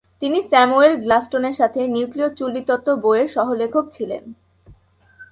তিনি স্যামুয়েল গ্লাসস্টোনের সাথে "নিউক্লীয় চুল্লী তত্ত্ব" বইয়ের সহ-লেখক ছিলেন।